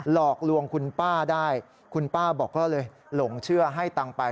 หลอกลวงคุณป้าได้คุณป้าบอกก็เลยหลงเชื่อให้ตังค์ไป